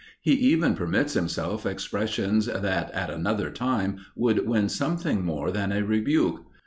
He even permits himself expressions that at another time would win something more than a rebuke.